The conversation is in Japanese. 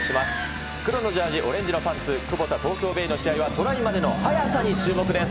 黒のジャージ、オレンジのパンツ、クボタ東京ベイの試合はトライまでの速さに注目です。